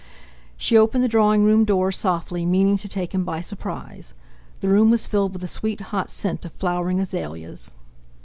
She opened the drawing room door softly, meaning to take him by surprise. The room was filled with a sweet hot scent of flowering azaleas.